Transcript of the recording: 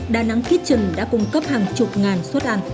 đà nẵng kitchen đã cung cấp hàng chục ngàn suất ăn